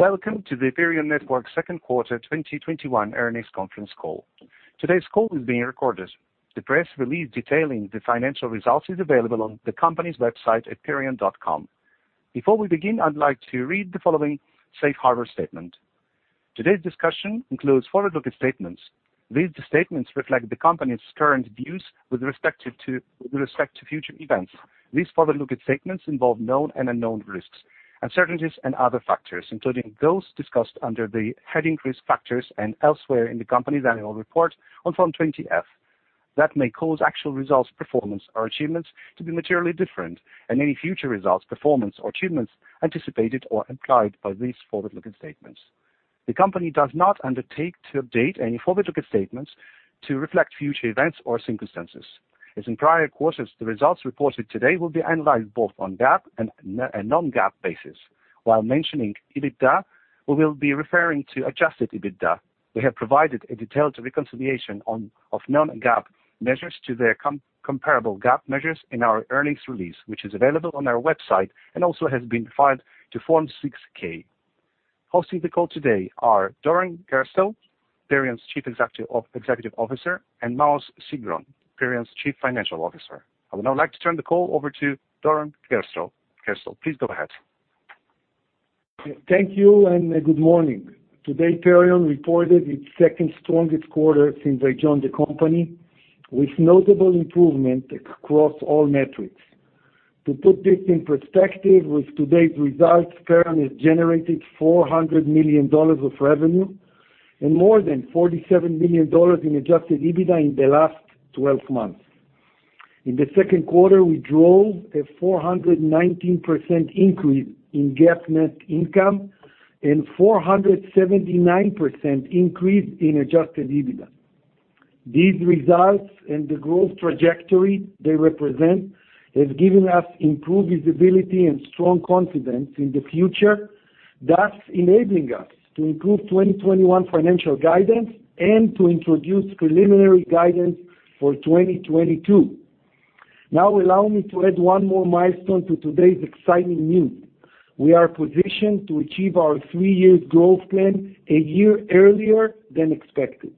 Welcome to the Perion Network second quarter 2021 earnings conference call. Today's call is being recorded. The press release detailing the financial results is available on the company's website at perion.com. Before we begin, I'd like to read the following safe harbor statement. Today's discussion includes forward-looking statements. These statements reflect the company's current views with respect to future events. These forward-looking statements involve known and unknown risks, uncertainties and other factors, including those discussed under the heading Risk Factors and elsewhere in the company's annual report on Form 20-F, that may cause actual results, performance or achievements to be materially different and any future results, performance or achievements anticipated or implied by these forward-looking statements. The company does not undertake to update any forward-looking statements to reflect future events or circumstances. As in prior quarters, the results reported today will be analyzed both on GAAP and non-GAAP basis. While mentioning EBITDA, we will be referring to adjusted EBITDA. We have provided a detailed reconciliation of non-GAAP measures to their comparable GAAP measures in our earnings release, which is available on our website and also has been filed to Form 6-K. Hosting the call today are Doron Gerstel, Perion's Chief Executive Officer, and Maoz Sigron, Perion's Chief Financial Officer. I would now like to turn the call over to Doron Gerstel. Gerstel, please go ahead. Thank you, and good morning. Today, Perion reported its second strongest quarter since I joined the company, with notable improvement across all metrics. To put this in pers pective, with today's results, Perion has generated $400 million of revenue and more than $47 million in adjusted EBITDA in the last 12 months. In the second quarter, we drove a 419% increase in GAAP net income and 479% increase in adjusted EBITDA. These results and the growth trajectory they represent has given us improved visibility and strong confidence in the future, thus enabling us to improve 2021 financial guidance and to introduce preliminary guidance for 2022. Now allow me to add one more milestone to today's exciting news. We are positioned to achieve our three-year growth plan a year earlier than expected.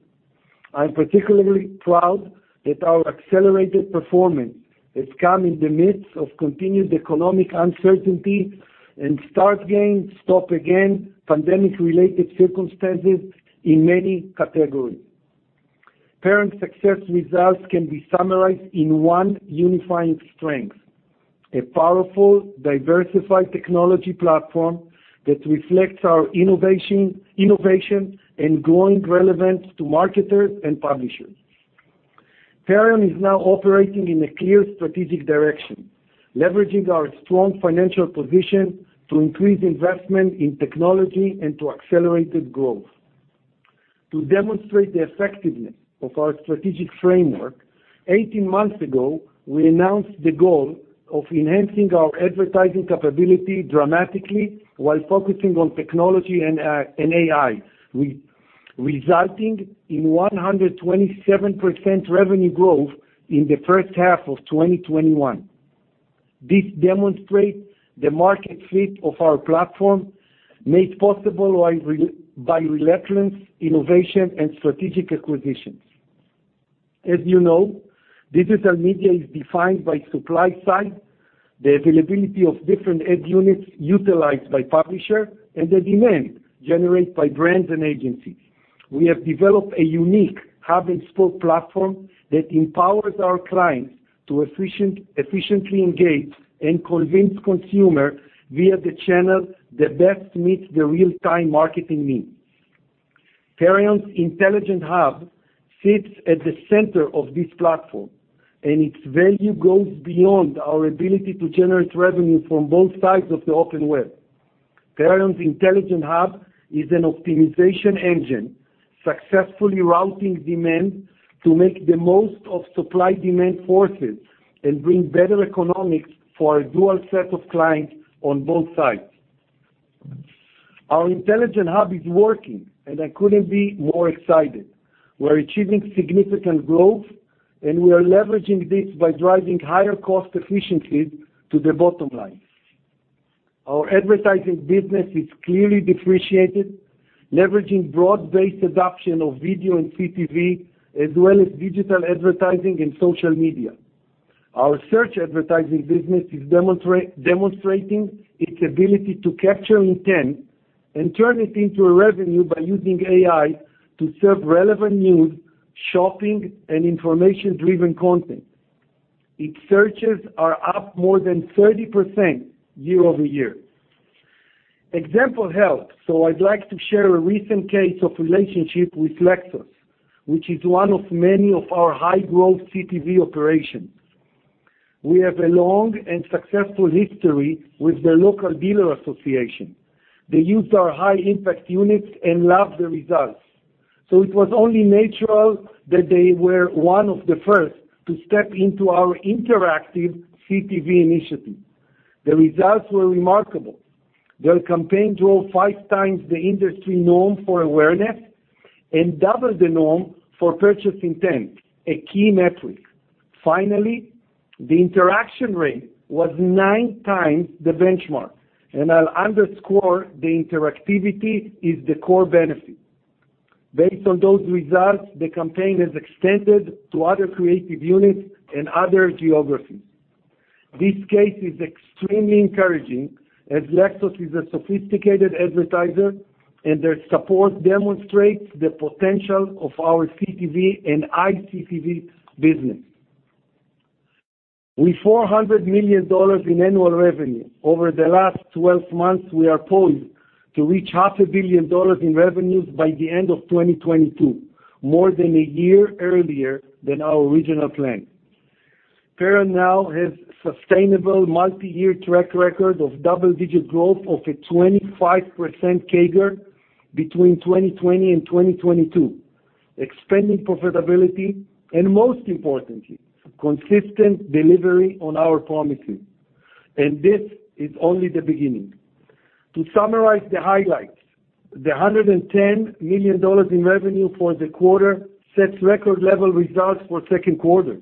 I'm particularly proud that our accelerated performance has come in the midst of continued economic uncertainty and start again, stop again pandemic-related circumstances in many categories. Perion's success results can be summarized in one unifying strength, a powerful, diversified technology platform that reflects our innovation and growing relevance to marketers and publishers. Perion is now operating in a clear strategic direction, leveraging our strong financial position to increase investment in technology and to accelerated growth. To demonstrate the effectiveness of our strategic framework, 18 months ago, we announced the goal of enhancing our advertising capability dramatically while focusing on technology and AI, resulting in 127% revenue growth in the first half of 2021. This demonstrate the market fit of our platform made possible by relentless innovation and strategic acquisitions. As you know, digital media is defined by supply-side, the availability of different ad units utilized by publisher and the demand generated by brands and agencies. We have developed a unique hub-and-spoke platform that empowers our clients to efficiently engage and convince consumer via the channel that best meets their real-time marketing needs. Perion's Intelligent Hub sits at the center of this platform, and its value goes beyond our ability to generate revenue from both sides of the open web. Perion's Intelligent Hub is an optimization engine, successfully routing demand to make the most of supply-demand forces and bring better economics for our dual set of clients on both sides. Our Intelligent Hub is working, and I couldn't be more excited. We're achieving significant growth, and we are leveraging this by driving higher cost efficiencies to the bottom line. Our advertising business is clearly differentiated, leveraging broad-based adoption of video and CTV, as well as digital advertising and social media. Our search advertising business is demonstrating its ability to capture intent and turn it into a revenue by using AI to serve relevant news, shopping and information-driven content. Its searches are up more than 30% year-over-year. Example helps. I'd like to share a recent case of relationship with Lexus, which is one of many of our high-growth CTV operations. We have a long and successful history with the local dealer association. They used our high-impact units and loved the results. It was only natural that they were one of the first to step into our interactive CTV initiative. The results were remarkable. Their campaign drove five times the industry norm for awareness and double the norm for purchase intent, a key metric. The interaction rate was nine times the benchmark, and I'll underscore the interactivity is the core benefit. Based on those results, the campaign is extended to other creative units and other geographies. This case is extremely encouraging, as Lexus is a sophisticated advertiser and their support demonstrates the potential of our CTV and ICTV business. With $400 million in annual revenue over the last 12 months, we are poised to reach half a billion dollars in revenues by the end of 2022, more than a year earlier than our original plan. Perion now has sustainable multi-year track record of double-digit growth of a 25% CAGR between 2020 and 2022, expanding profitability and, most importantly, consistent delivery on our promises. This is only the beginning. To summarize the highlights, the $110 million in revenue for the quarter sets record level results for second quarter.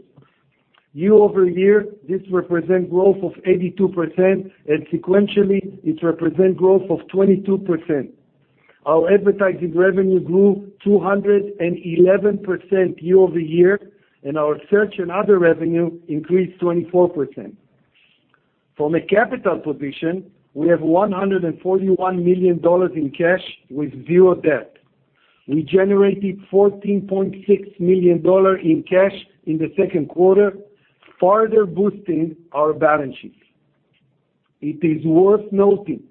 Year-over-year, this represent growth of 82% and sequentially, it represent growth of 22%. Our advertising revenue grew 211% year-over-year, and our search and other revenue increased 24%. From a capital position, we have $141 million in cash with zero debt. We generated $14.6 million dollar in cash in the second quarter, further boosting our balance sheet. It is worth noting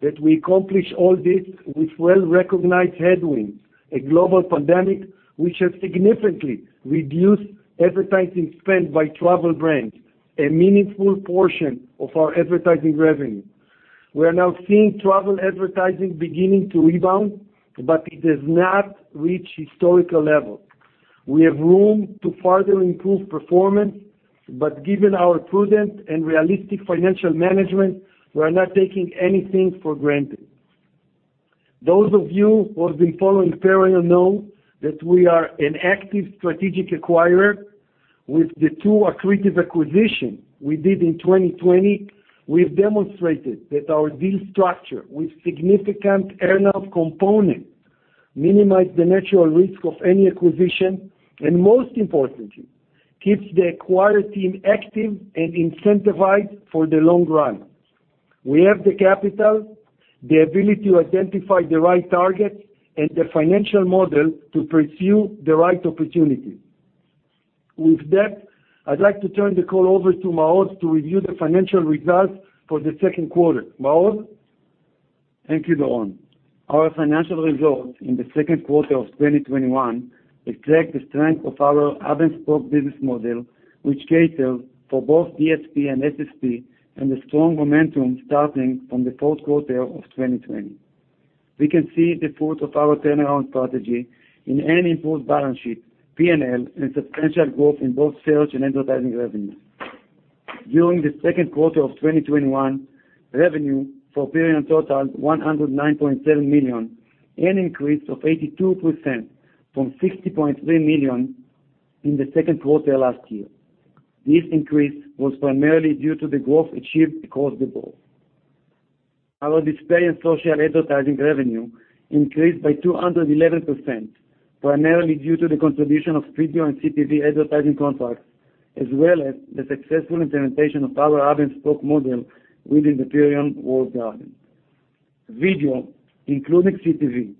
that we accomplished all this with well-recognized headwinds, a global pandemic which has significantly reduced advertising spend by travel brands, a meaningful portion of our advertising revenue. We are now seeing travel advertising beginning to rebound, but it has not reached historical levels. We have room to further improve performance, but given our prudent and realistic financial management, we are not taking anything for granted. Those of you who have been following Perion know that we are an active strategic acquirer. With the two accretive acquisition we did in 2020, we've demonstrated that our deal structure with significant earn-out component minimize the natural risk of any acquisition, and most importantly, keeps the acquired team active and incentivized for the long run. We have the capital, the ability to identify the right targets, and the financial model to pursue the right opportunity. With that, I'd like to turn the call over to Maoz to review the financial results for the second quarter. Maoz? Thank you, Doron. Our financial results in the second quarter of 2021 reflect the strength of our hub-and-spoke business model, which cater for both DSP and SSP and the strong momentum starting from the fourth quarter of 2020. We can see the fruit of our turnaround strategy in an improved balance sheet, P&L, and substantial growth in both search and advertising revenue. During the second quarter of 2021, revenue for Perion totaled $109.7 million, an increase of 82% from $60.3 million in the second quarter last year. This increase was primarily due to the growth achieved across the board. Our display and social advertising revenue increased by 211%, primarily due to the contribution of video and CTV advertising contracts, as well as the successful implementation of our hub-and-spoke model within the Perion walled garden. Video, including CTV,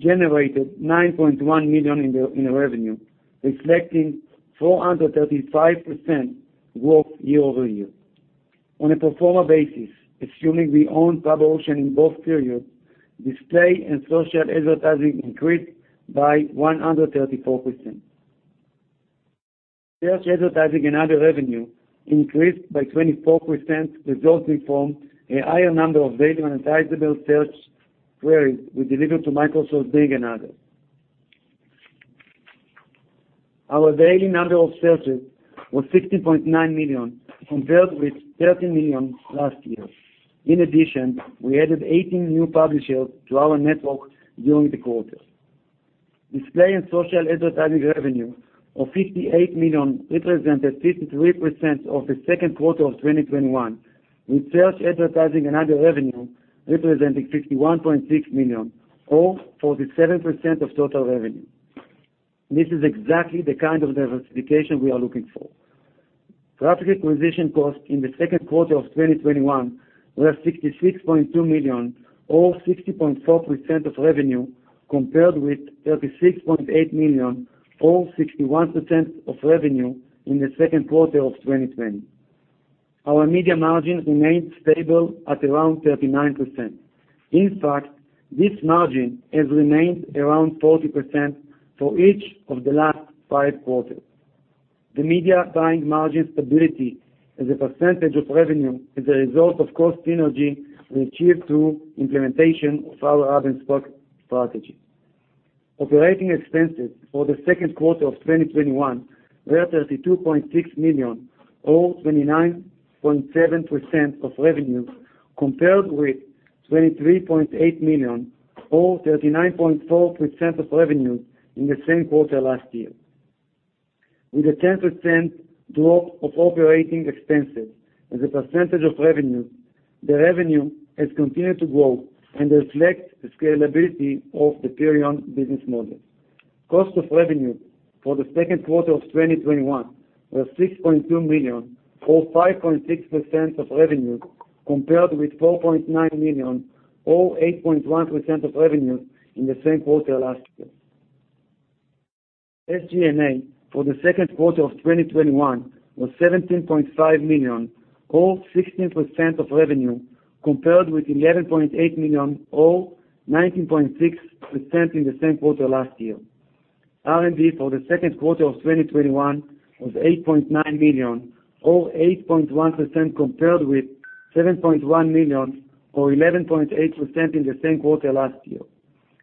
generated $9.1 million in revenue, reflecting 435% growth year-over-year. On a pro forma basis, assuming we own Pub Ocean in both periods, display and social advertising increased by 134%. Search advertising and other revenue increased by 24%, resulting from a higher number of daily monetizable search queries we delivered to Microsoft Bing and others. Our daily number of searches was 60.9 million, compared with 13 million last year. In addition, we added 18 new publishers to our network during the quarter. Display and social advertising revenue of $58 million represented 53% of the second quarter of 2021, with search advertising and other revenue representing $51.6 million, or 47% of total revenue. This is exactly the kind of diversification we are looking for. Traffic acquisition costs in the second quarter of 2021 were $66.2 million or 60.4% of revenue, compared with $36.8 million or 61% of revenue in the second quarter of 2020. Our media margin remained stable at around 39%. In fact, this margin has remained around 40% for each of the last five quarters. The media buying margin stability as a percentage of revenue is a result of cost synergy we achieved through implementation of our hub-and-spoke strategy. Operating expenses for the second quarter of 2021 were $32.6 million or 29.7% of revenue, compared with $23.8 million or 39.4% of revenue in the same quarter last year. With a 10% drop of operating expenses as a percentage of revenue, the revenue has continued to grow and reflect the scalability of the Perion business model. Cost of revenue for the second quarter of 2021 was $6.2 million, or 5.6% of revenue, compared with $4.9 million or 8.1% of revenue in the same quarter last year. SG&A for the second quarter of 2021 was $17.5 million, or 16% of revenue, compared with $11.8 million or 19.6% in the same quarter last year. R&D for the second quarter of 2021 was $8.9 million or 8.1% compared with $7.1 million or 11.8% in the same quarter last year.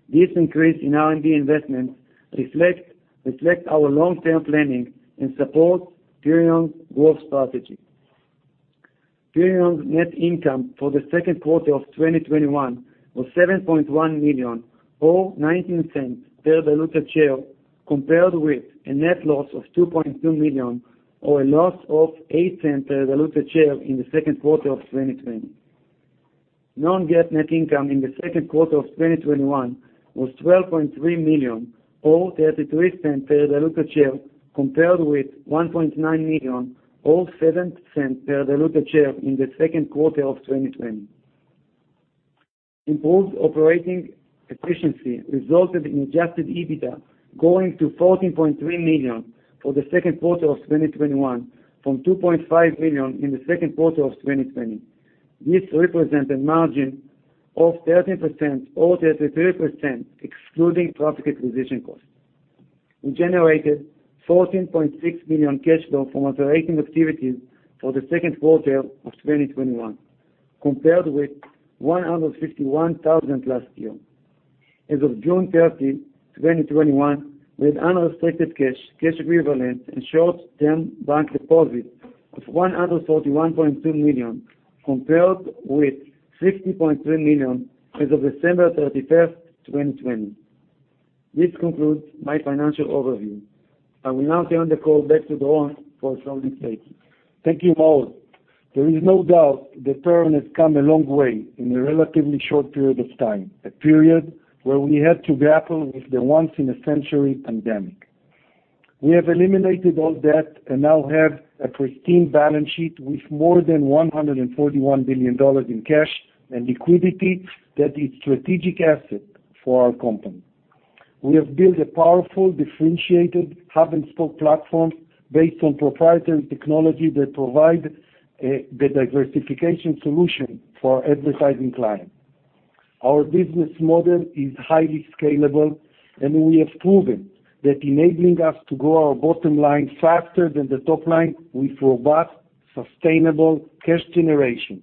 This increase in R&D investments reflect our long-term planning and supports Perion's growth strategy. Perion's net income for the second quarter of 2021 was $7.1 million or $0.19 per diluted share, compared with a net loss of $2.2 million or a loss of $0.08 per diluted share in the second quarter of 2020. Non-GAAP net income in the second quarter of 2021 was $12.3 million or $0.33 per diluted share compared with $1.9 million or $0.07 per diluted share in the second quarter of 2020. Improved operating efficiency resulted in adjusted EBITDA growing to $14.3 million for the second quarter of 2021 from $2.5 million in the second quarter of 2020. This represent a margin of 13% or 33% excluding traffic acquisition costs. We generated $14.6 million cash flow from operating activities for the second quarter of 2021 compared with $151,000 last year. As of June 30, 2021, we had unrestricted cash equivalents, and short-term bank deposits of $141.2 million compared with $60.3 million as of December 31, 2020. This concludes my financial overview. I will now turn the call back to Doron for closing statements. Thank you, Mo. There is no doubt that Perion has come a long way in a relatively short period of time, a period where we had to grapple with the once in a century pandemic. We have eliminated all debt and now have a pristine balance sheet with more than $141 billion in cash and liquidity that is strategic asset for our company. We have built a powerful, differentiated hub-and-spoke platform based on proprietary technology that provide the diversification solution for our advertising clients. Our business model is highly scalable, and we have proven that enabling us to grow our bottom line faster than the top line with robust sustainable cash generation.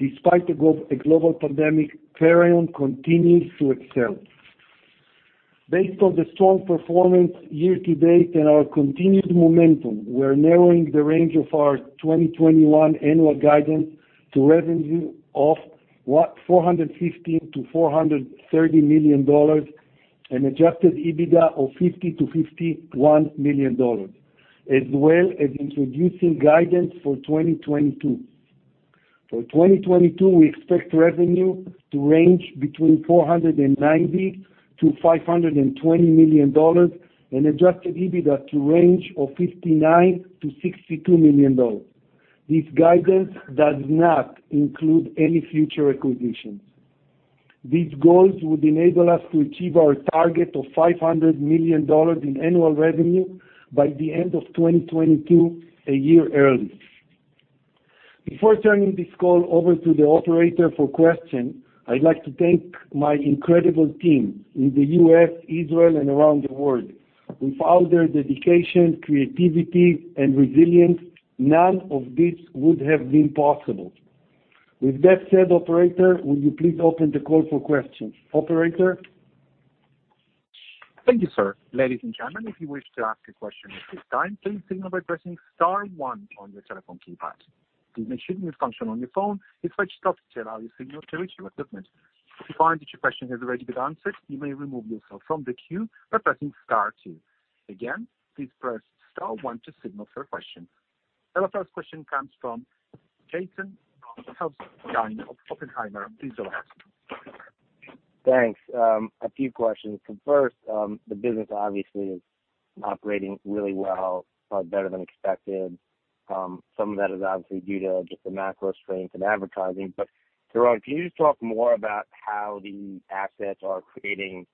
Despite the global pandemic, Perion continues to excel. Based on the strong performance year to date and our continued momentum, we're narrowing the range of our 2021 annual guidance to revenue of $415 million-$430 million and adjusted EBITDA of $50 million-$51 million, as well as introducing guidance for 2022. For 2022, we expect revenue to range between $490 million-$520 million and adjusted EBITDA to range of $59 million-$62 million. This guidance does not include any future acquisitions. These goals would enable us to achieve our target of $500 million in annual revenue by the end of 2022, a year early. Before turning this call over to the operator for question, I'd like to thank my incredible team in the U.S., Israel, and around the world. Without their dedication, creativity, and resilience, none of this would have been possible. With that said, operator, will you please open the call for questions. Operator? Thank you, sir. Ladies and gentlemen, if you wish to ask a question at this time, please signal by pressing star one on your telephone keypad. Please make sure the mute function on your phone is switched off to allow your signal to reach your equipment. If you find that your question has already been answered, you may remove yourself from the queue by pressing star two. Again, please press star one to signal for a question. And the first question comes from Jason of Oppenheimer. Please go ahead. Thanks. A few questions. First, the business obviously is operating really well, better than expected. Some of that is obviously due to just the macro strength in advertising. Doron Gerstel, can you just talk more about how the assets are creating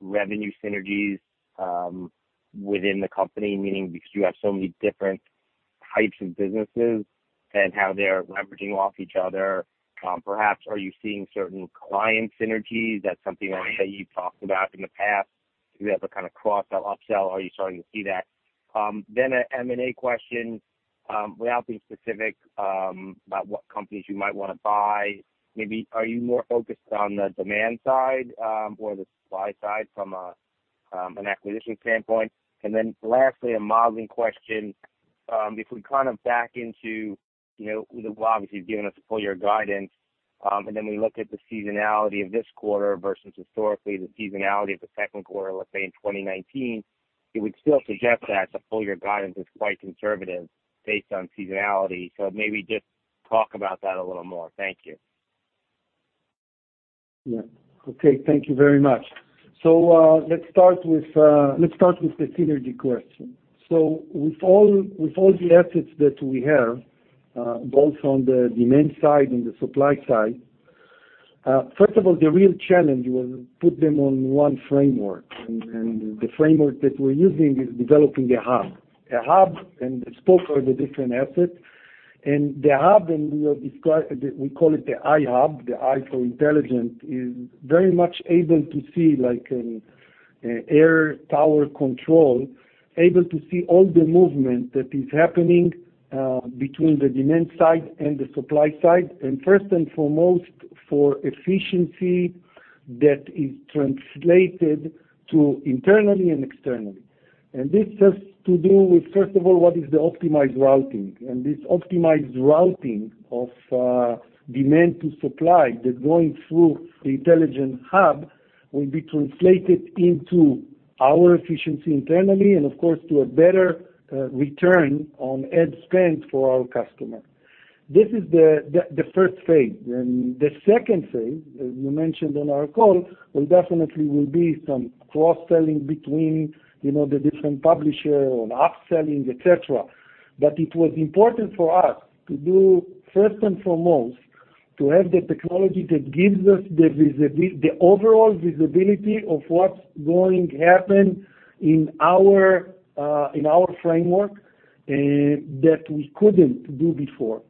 revenue synergies within the company, meaning because you have so many different types of businesses and how they're leveraging off each other? Perhaps are you seeing certain client synergies? That's something I know you've talked about in the past. Do you have a kind of cross-sell, up-sell? Are you starting to see that? A M&A question. Without being specific, about what companies you might wanna buy, maybe are you more focused on the demand side, or the supply side from an acquisition standpoint. Lastly, a modeling question. If we kind of back into with obviously giving us full year guidance, and then we look at the seasonality of this quarter versus historically the seasonality of the second quarter, let's say in 2019, it would still suggest that the full year guidance is quite conservative based on seasonality. Maybe just talk about that a little more. Thank you. Yeah. Okay. Thank you very much. Let's start with the synergy question. With all the assets that we have, both on the demand side and the supply side, first of all, the real challenge was put them on one framework, and the framework that we're using is developing a hub. A hub-and-spoke for the different assets. The hub, and we have described it, we call it the iHub, the I for intelligent, is very much able to see like air tower control, able to see all the movement that is happening between the demand side and the supply side, and first and foremost, for efficiency that is translated to internally and externally. This has to do with, first of all, what is the optimized routing. This optimized routing of demand to supply that going through the Intelligent Hub will be translated into our efficiency internally and of course, to a better return on ad spend for our customer. This is the first phase. The second phase, as you mentioned on our call, will definitely will be some cross-selling between, you know, the different publisher or upselling, etc. It was important for us to do, first and foremost, to have the technology that gives us the overall visibility of what's going to happen in our in our framework that we couldn't do before.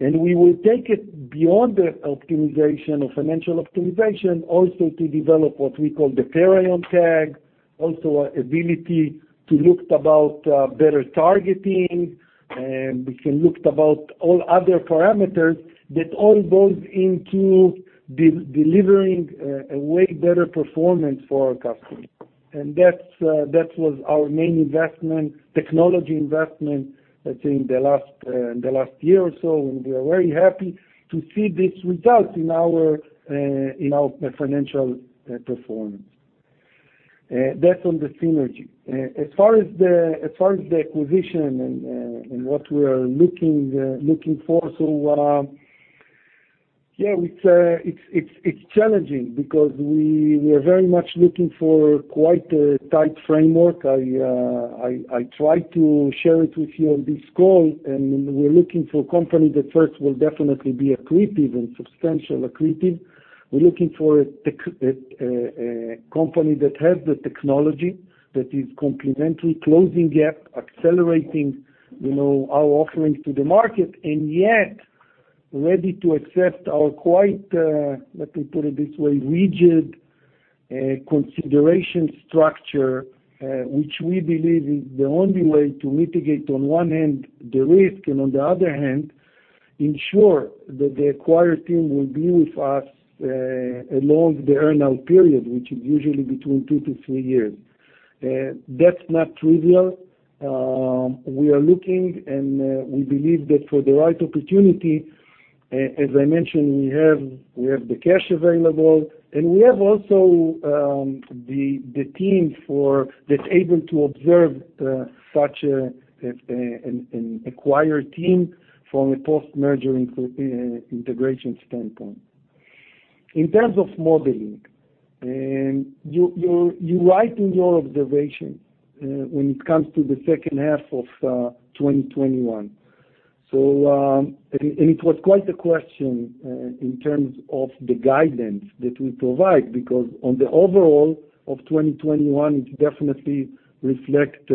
We will take it beyond the optimization of financial optimization also to develop what we call the Perion tag, also our ability to look about better targeting, and we can look about all other parameters that all goes into delivering a way better performance for our customers. That was our main investment, technology investment, let's say in the last year or so, and we are very happy to see this result in our financial performance. That's on the synergy. As far as the acquisition and what we are looking for, it's challenging because we're very much looking for quite a tight framework. I tried to share it with you on this call, and we're looking for company that first will definitely be accretive and substantial accretive. We're looking for a tech, a company that has the technology that is complementarily closing gap, accelerating, you know, our offerings to the market, and yet ready to accept our quite, let me put it this way, rigid, consideration structure, which we believe is the only way to mitigate on one hand, the risk, and on the other hand, ensure that the acquired team will be with us, along the earn-out period, which is usually between two-three years. That's not trivial. We are looking and we believe that for the right opportunity, as I mentioned, we have the cash available, and we have also the team for that's able to observe such an acquired team from a post-merger integration standpoint. In terms of modeling, you're right in your observation when it comes to the second half of 2021. And it was quite a question in terms of the guidance that we provide, because on the overall of 2021, it definitely reflect.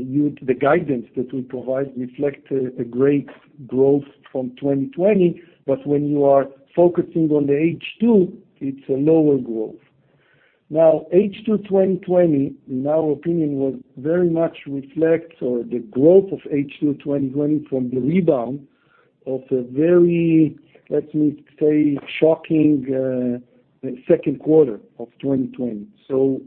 The guidance that we provide reflect a great growth from 2020. When you are focusing on the H2, it's a lower growth. H2 2020, in our opinion, was very much reflects the growth of H2 2020 from the rebound of a very, let me say, shocking, 2nd quarter of 2020.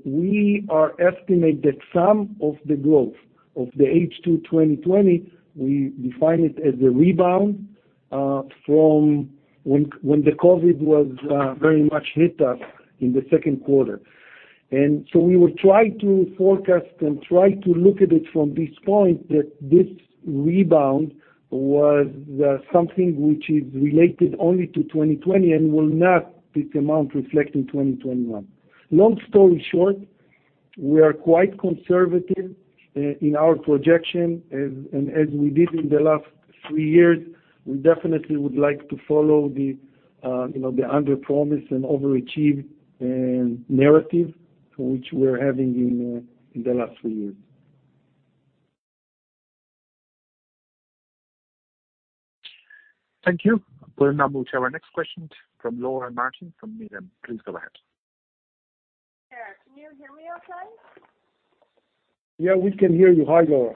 We are estimate that some of the growth of the H2 2020, we define it as a rebound, from when the COVID was very much hit us in the 2nd quarter. We will try to forecast and try to look at it from this point that this rebound was something which is related only to 2020 and will not this amount reflect in 2021. Long story short, we are quite conservative in our projection. As, as we did in the last three years, we definitely would like to follow the, you know, the underpromise and overachieve narrative which we're having in the last 3 years. Thank you. We'll now move to our next question from Laura Martin from Needham. Please go ahead. Yeah. Can you hear me okay? Yeah, we can hear you. Hi, Laura.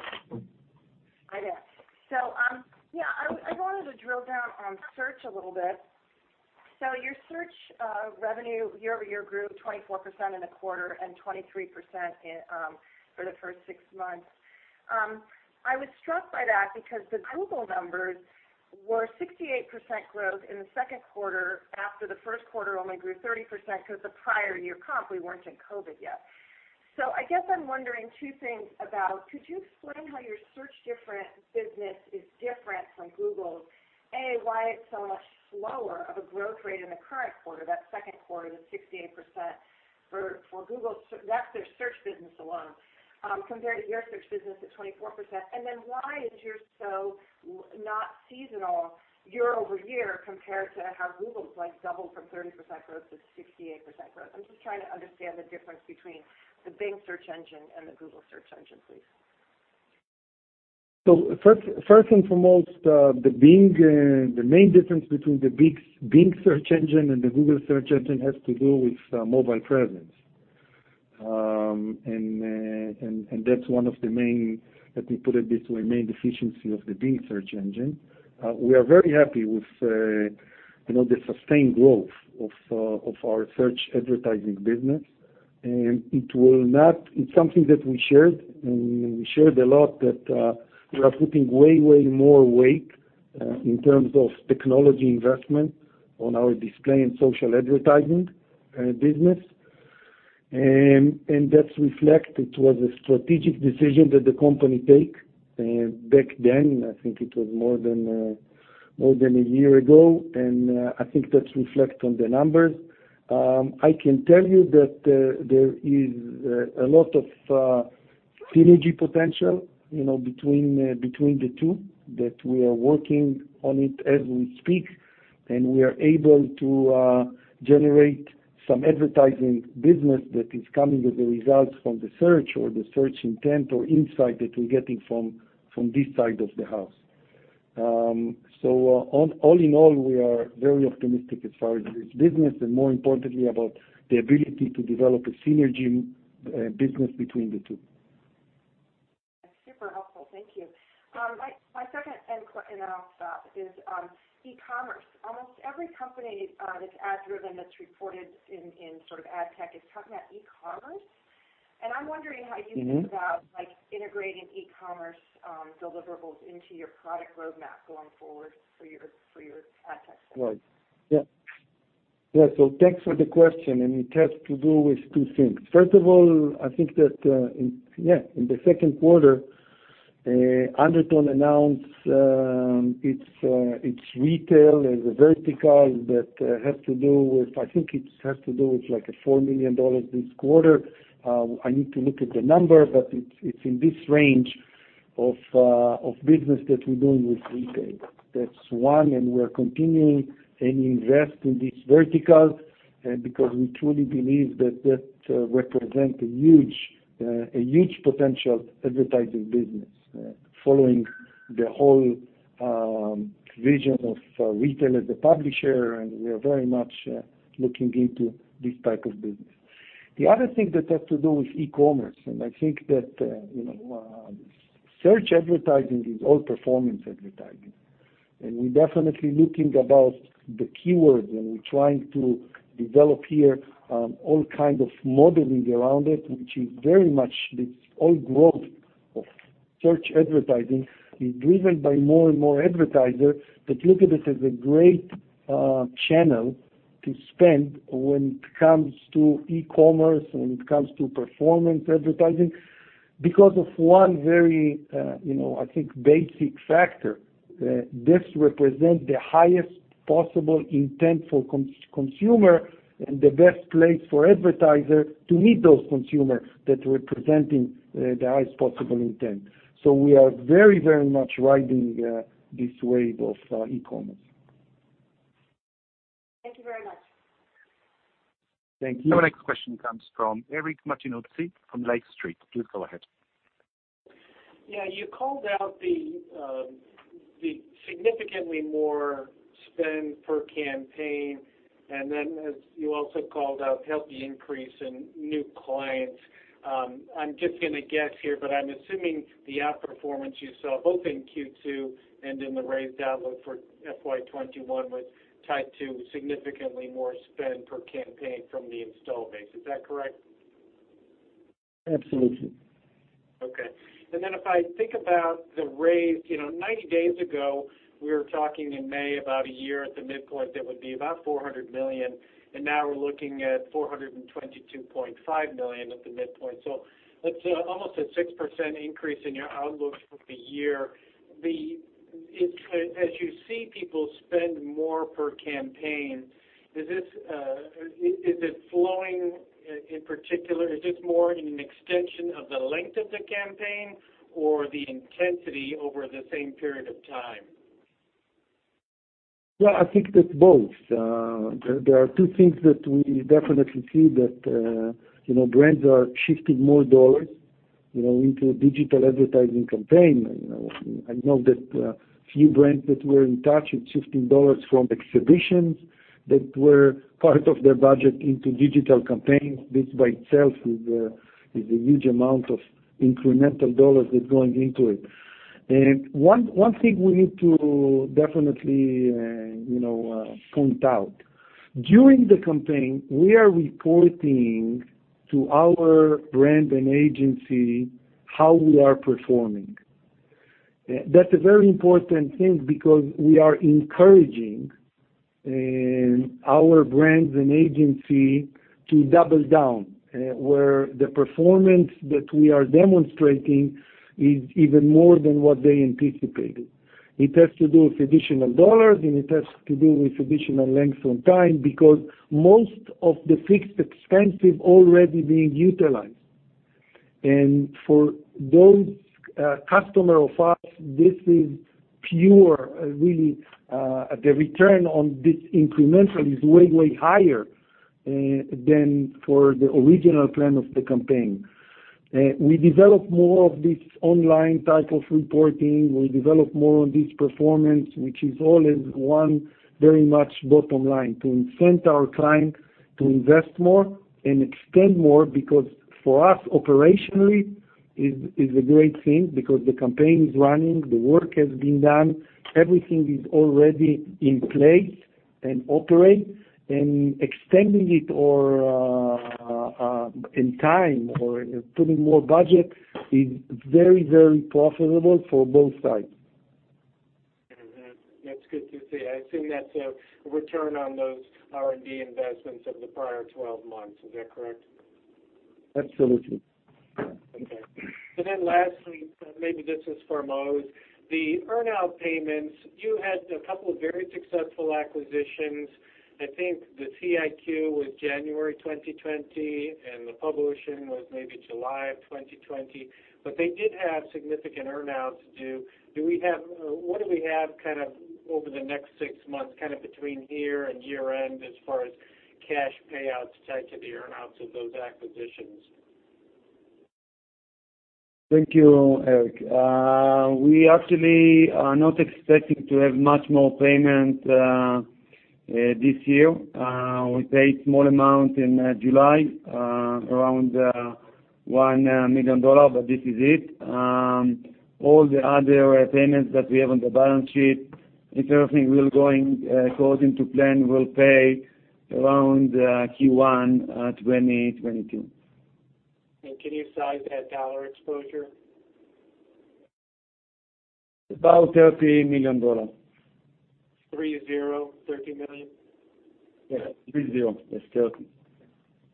Drill down on search a little bit. Your search revenue year-over-year grew 24% in the quarter and 23% in for the first six months. I was struck by that because the Google numbers were 68% growth in the second quarter after the first quarter only grew 30% 'cause the prior year comp, we weren't in COVID yet. I guess I'm wondering two things about could you explain how your search different business is different from Google? A, why it's so much slower of a growth rate in the current quarter, that second quarter, the 68% for Google that's their search business alone, compared to your search business at 24%. Why is yours so not seasonal year-over-year compared to how Google's like doubled from 30% growth to 68% growth? I'm just trying to understand the difference between the Bing search engine and the Google search engine, please. First and foremost, the Bing, the main difference between the Bing search engine and the Google search engine has to do with mobile presence. That's one of the main, let me put it this way, main deficiency of the Bing search engine. We are very happy with, you know, the sustained growth of our search advertising business. It's something that we shared, and we shared a lot that we are putting way more weight in terms of technology investment on our display and social advertising business. That's reflect. It was a strategic decision that the company take back then. I think it was more than a year ago. I think that's reflect on the numbers. I can tell you that there is a lot of synergy potential, you know, between the two, that we are working on it as we speak, and we are able to generate some advertising business that is coming as a result from the search or the search intent or insight that we're getting from this side of the house. All in all, we are very optimistic as far as this business and more importantly, about the ability to develop a synergy business between the two. That's super helpful. Thank you. My second and then I'll stop, is e-commerce. Almost every company that's ad-driven that's reported in sort of ad tech is talking about e-commerce. I'm wondering how you think about like integrating e-commerce deliverables into your product roadmap going forward for your ad tech products. Yeah. Yeah. Thanks for the question, and it has to do with two things. First of all, I think that, in the second quarter, Undertone announced its retail as a vertical that I think it has to do with $4 million this quarter. I need to look at the number, but it's in this range of business that we're doing with retail. That's one. We're continuing and invest in these verticals because we truly believe that represent a huge potential advertising business following the whole vision of retail as a publisher. We are very much looking into this type of business. The other thing that has to do with e-commerce, and I think that, you know, search advertising is all performance advertising. We're definitely looking about the keywords, and we're trying to develop here, all kind of modeling around it, which is very much this all growth of search advertising is driven by more and more advertisers that look at it as a great channel to spend when it comes to e-commerce, when it comes to performance advertising because of one very, you know, I think basic factor. This represent the highest possible intent for consumer and the best place for advertiser to meet those consumer that representing the highest possible intent. We are very, very much riding this wave of e-commerce. Thank you very much. Thank you. Our next question comes from Eric Martinuzzi from Lake Street. Please go ahead. Yeah. You called out the significantly more spend per campaign, and then as you also called out, healthy increase in new clients. I'm just gonna guess here, but I'm assuming the outperformance you saw both in Q2 and in the raised outlook for FY 2021 was tied to significantly more spend per campaign from the install base. Is that correct? Absolutely. Okay. Then if I think about the raise, you know, 90 days ago, we were talking in May about a year at the midpoint that would be about $400 million, and now we're looking at $422.5 million at the midpoint. It's almost a 6% increase in your outlook for the year. As you see people spend more per campaign, is it flowing in particular, is this more an extension of the length of the campaign or the intensity over the same period of time? Yeah, I think that's both. There are two things that we definitely see that, you know, brands are shifting more dollars, you know, into digital advertising campaign. You know, I know that few brands that we're in touch with shifting dollars from exhibitions that were part of their budget into digital campaigns. This by itself is a huge amount of incremental dollars that's going into it. One thing we need to definitely, you know, point out. During the campaign, we are reporting to our brand and agency how we are performing. That's a very important thing because we are encouraging our brands and agency to double down where the performance that we are demonstrating is even more than what they anticipated. It has to do with additional dollars. It has to do with additional length on time because most of the fixed expenses already being utilized. For those, customer of ours, this is pure, really, the return on this incremental is way higher than for the original plan of the campaign. We develop more of this online type of reporting. We develop more on this performance, which is always one very much bottom line, to incent our client to invest more and extend more, because for us, operationally is a great thing because the campaign is running, the work has been done, everything is already in place and operate, and extending it or in time or putting more budget is very, very profitable for both sides. Mm-hmm. That's good to see. I assume that's a return on those R&D investments of the prior 12 months. Is that correct? Absolutely. Lastly, maybe this is for Maoz, the earn-out payments, you had a couple of very successful acquisitions. I think the CIQ was January 2020, and the Pub Ocean was maybe July of 2020. They did have significant earn-outs due. What do we have kind of over the next 6 months, kind of between here and year-end as far as cash payouts tied to the earn-outs of those acquisitions? Thank you, Eric. We actually are not expecting to have much more payment this year. We paid small amount in July, around $1 million, but this is it. All the other payments that we have on the balance sheet, if everything will going according to plan, we'll pay around Q1 2022. Can you size that dollar exposure? About $30 million. 30, $30 million? Yeah, 30. That's 30.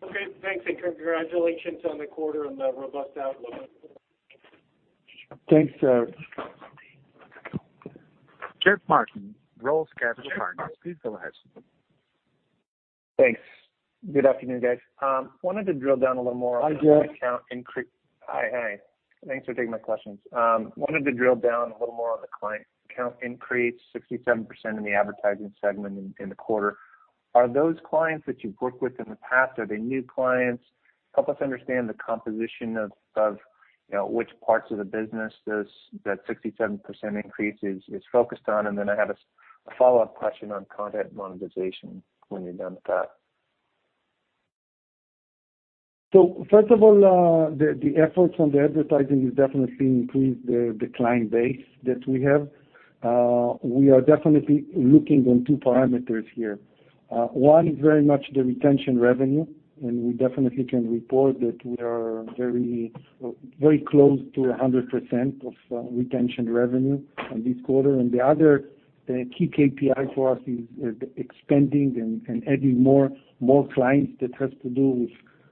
Okay. Thanks, congratulations on the quarter and the robust outlook. Thanks, Eric. Jeff Martin, Roth Capital Partners. Please go ahead. Thanks. Good afternoon, guys. Wanted to drill down a little more on. Hi, Jeff. Hi. Hi. Thanks for taking my questions. Wanted to drill down a little more on the client count increase, 67% in the advertising segment in the quarter. Are those clients that you've worked with in the past? Are they new clients? Help us understand the composition of, you know, which parts of the business this, that 67% increase is focused on. Then I have a follow-up question on content monetization when you're done with that. First of all, the efforts on the advertising has definitely increased the client base that we have. We are definitely looking on two parameters here. One is very much the retention revenue, and we definitely can report that we are very close to 100% of retention revenue on this quarter. The other key KPI for us is expanding and adding more clients that has to do with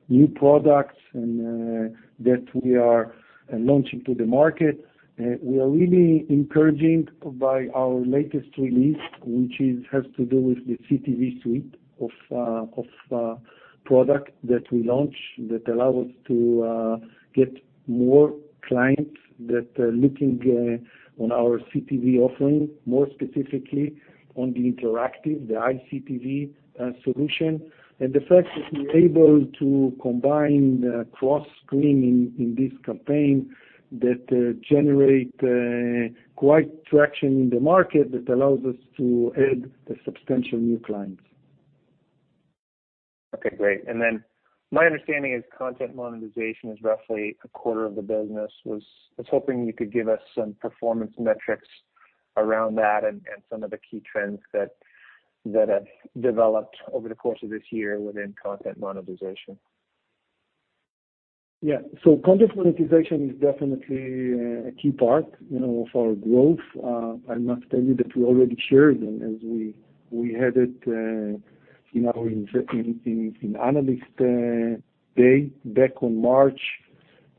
new products that we are launching to the market. We are really encouraging by our latest release, which has to do with the CTV suite of product that we launch that allow us to get more clients that are looking on our CTV offering, more specifically on the interactive, the ICTV solution. The fact that we're able to combine the cross-screen in this campaign that generate quite traction in the market that allows us to add the substantial new clients. Okay, great. My understanding is content monetization is roughly a quarter of the business. I was hoping you could give us some performance metrics around that and some of the key trends that have developed over the course of this year within content monetization. Content monetization is definitely a key part, you know, of our growth. I must tell you that we already shared, as we had it in our analyst day back on March,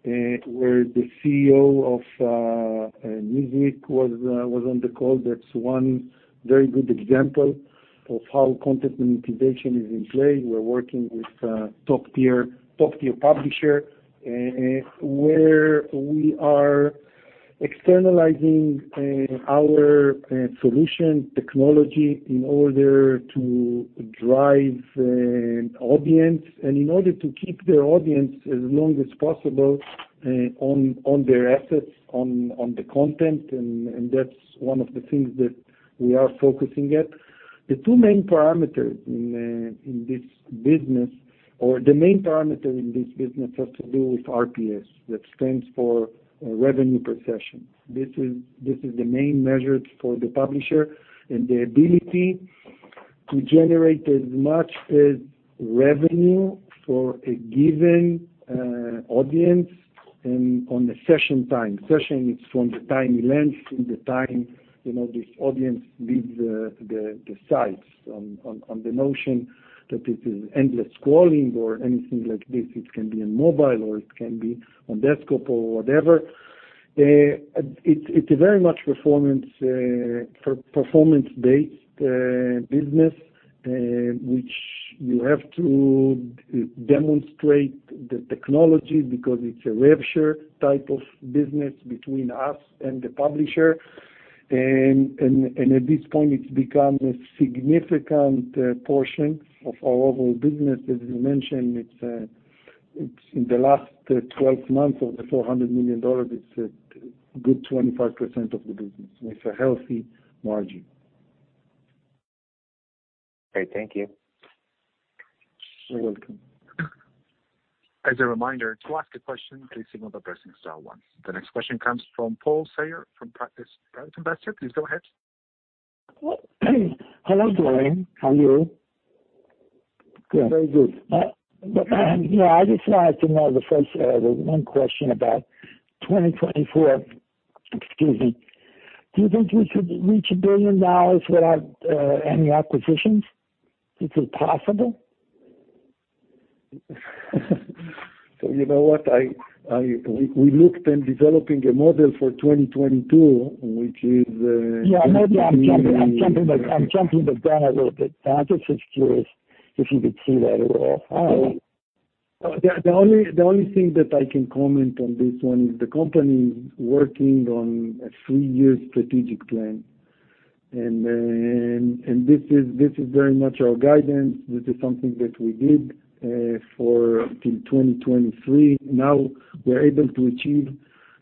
where the CEO of Newsweek was on the call. That's one very good example of how content monetization is in play. We're working with a top-tier publisher, where we are externalizing our solution technology in order to drive audience and in order to keep their audience as long as possible on their assets, on the content. That's one of the things that we are focusing at. The two main parameters in this business, or the main parameter in this business has to do with RPS, that stands for revenue per session. This is the main measure for the publisher and the ability to generate as much as revenue for a given audience and on the session time. Session is from the time he lands, from the time, you know, this audience leaves the sites on the notion that it is endless scrolling or anything like this. It can be on mobile or it can be on desktop or whatever. It's a very much performance-based business, which you have to demonstrate the technology because it's a rev share type of business between us and the publisher. At this point, it's become a significant portion of our overall business. As we mentioned, it's in the last 12 months of the $400 million, it's a good 25% of the business, and it's a healthy margin. Great. Thank you. You're welcome. As a reminder, to ask a question, please signal by pressing star one. The next question comes from Paul Sayer from Practice [inaudible] Investor. Please go ahead. Hello, Doron. How are you? Good. Very good. Yeah, I just wanted to know the first one question about 2024. Excuse me. Do you think we could reach $1 billion without any acquisitions? Is it possible? You know what? We looked in developing a model for 2022, which is, maybe. Yeah, maybe I'm jumping the gun a little bit. I'm just curious if you could see that at all. How? The only thing that I can comment on this one is the company is working on a three-year strategic plan. This is very much our guidance. This is something that we did for till 2023. Now, we're able to achieve,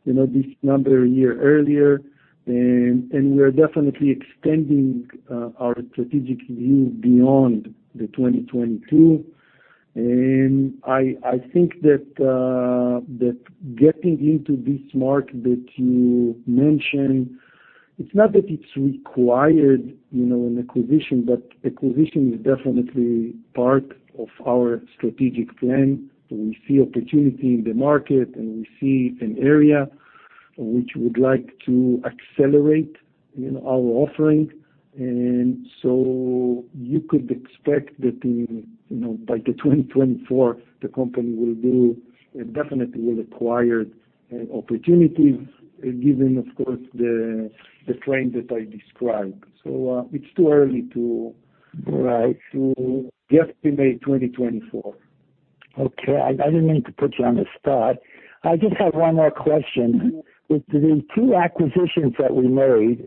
you know, this number a year earlier. We're definitely extending our strategic view beyond the 2022. I think that getting into this mark that you mentioned, it's not that it's required, you know, an acquisition, but acquisition is definitely part of our strategic plan. We see opportunity in the market, and we see an area which would like to accelerate, you know, our offering. You could expect that in, you know, by 2024, it definitely will acquire opportunities, given, of course, the frame that I described. It's too early. Right. To estimate 2024. Okay. I didn't mean to put you on the spot. I just have one more question. With the two acquisitions that we made,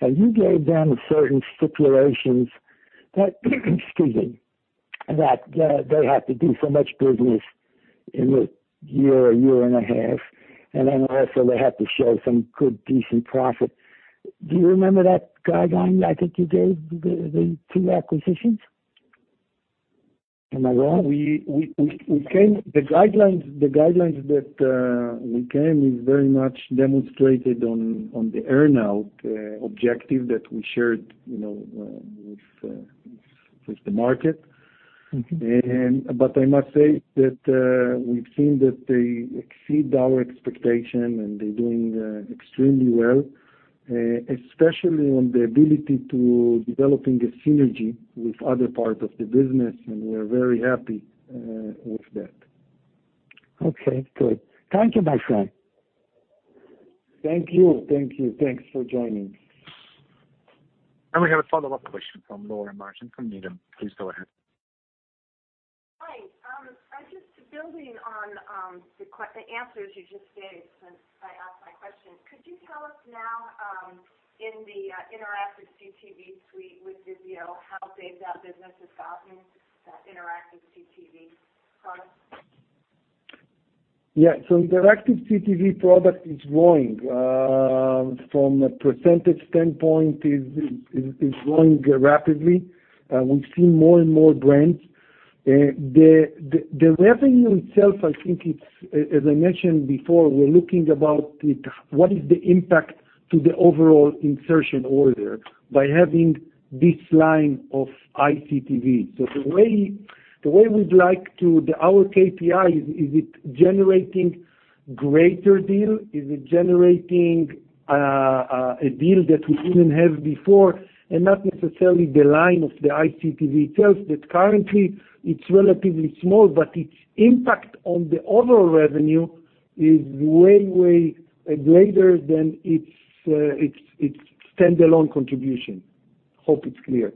and you gave them certain stipulations that excuse me, that they have to do so much business in a year, a year and a half, and then also they have to show some good, decent profit. Do you remember that guideline I think you gave the two acquisitions? Am I wrong? The guidelines that we came is very much demonstrated on the earnout objective that we shared, you know, with the market. I must say that, we've seen that they exceed our expectation and they're doing extremely well, especially on the ability to developing a synergy with other parts of the business, and we're very happy with that. Okay, good. Thank you, my friend. Thank you. Thank you. Thanks for joining. We have a follow-up question from Laura Martin from Needham. Please go ahead. Hi. I'm just building on the answers you just gave since I asked my question. Could you tell us now, in the Interactive CTV suite with Vizio, how big that business has gotten, that Interactive CTV product? Yeah. interactive CTV product is growing from a percentage standpoint, is growing rapidly. We've seen more and more brands. The revenue itself, I think it's, as I mentioned before, we're looking about it, what is the impact to the overall insertion order by having this line of ICTV. The way our KPI is it generating greater deal? Is it generating a deal that we didn't have before? Not necessarily the line of the ICTV itself, that currently it's relatively small, but its impact on the overall revenue is way greater than its standalone contribution. Hope it's clear.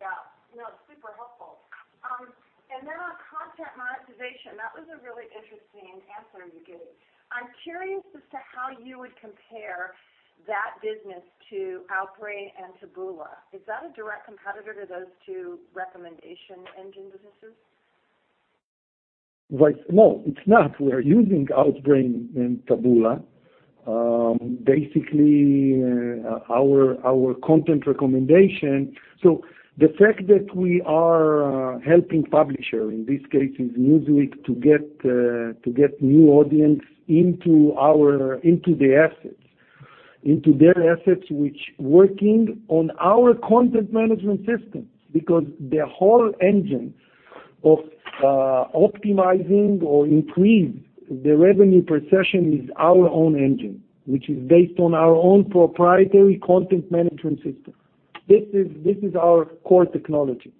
Yeah. No, super helpful. On content monetization, that was a really interesting answer you gave. I'm curious as to how you would compare that business to Outbrain and Taboola. Is that a direct competitor to those two recommendation engine businesses? Right. No, it's not. We're using Outbrain and Taboola. Basically, the fact that we are helping publisher, in this case is Newsweek, to get new audience into our, into the assets, into their assets which working on our content management system because the whole engine of optimizing or increase the revenue per session is our own engine, which is based on our own proprietary content management system. This is our core technology.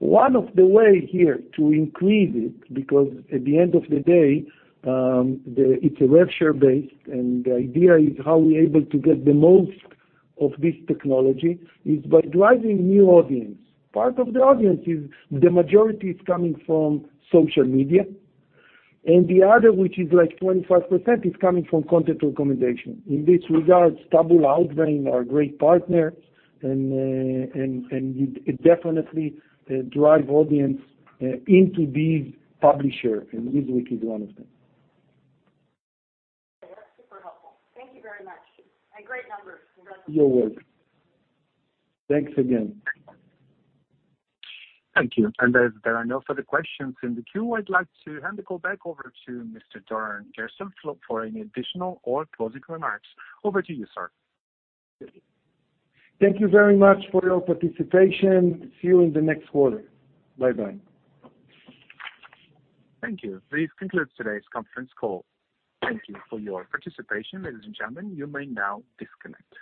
One of the way here to increase it, because at the end of the day, it's a rev share base, and the idea is how we're able to get the most of this technology is by driving new audience. Part of the audience is the majority is coming from social media. The other, which is like 25%, is coming from content recommendation. In this regards, Taboola, Outbrain are great partner and it definitely drive audience into these publisher. Newsweek is one of them. Okay. That's super helpful. Thank you very much. Great numbers. Congratulations. You're welcome. Thanks again. Thank you. As there are no further questions in the queue, I'd like to hand the call back over to Mr. Doron Gerstel for any additional or closing remarks. Over to you, sir. Thank you very much for your participation. See you in the next quarter. Bye-bye. Thank you. This concludes today's conference call. Thank you for your participation. Ladies and gentlemen, you may now disconnect.